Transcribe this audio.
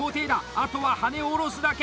あとは羽根を下ろすだけ！